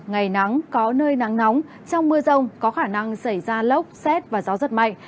ngày nắng có nơi nắng nóng trong mưa rông có khả năng xảy ra lốc xét và gió giật mạnh